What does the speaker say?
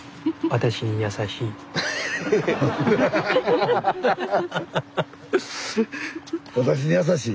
私に優しい？